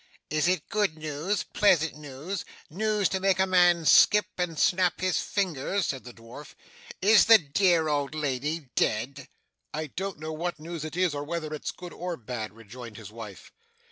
'Is it good news, pleasant news, news to make a man skip and snap his fingers?' said the dwarf. 'Is the dear old lady dead?' 'I don't know what news it is, or whether it's good or bad,' rejoined his wife.